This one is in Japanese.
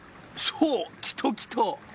そう「きときと」。